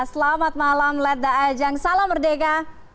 selamat malam letda ajang salam merdeka